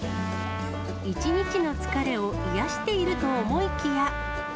一日の疲れを癒やしていると思いきや。